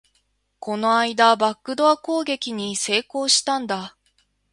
この間、バックドア攻撃に成功したんだ